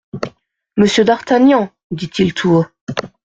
Monsieur d'Artagnan ! dit-il tout haut.